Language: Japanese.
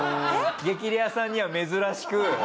激レアさんには珍しく。